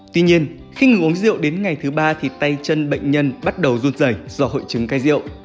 tuy nhiên khi ngừng uống rượu đến ngày thứ ba thì tay chân bệnh nhân bắt đầu run rảy do hội chứng cai rượu